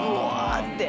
って。